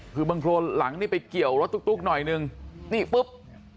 คือบางโครนหลังนี่ไปเกี่ยวรถตุ๊กหน่อยนึงนี่ปุ๊บ